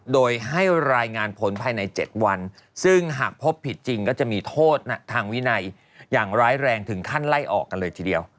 โดยให้รายงานผลภายใน๗วันซึ่งหากพบผิดจริงก็จะมีโทษทางวินัยอย่างร้ายแรงถึงขั้นไล่ออกกันเลยทีเดียว